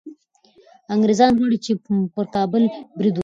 انګریزان غواړي چي پر کابل برید وکړي.